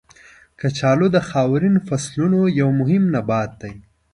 کچالو د خاورین فصلونو یو مهم نبات دی.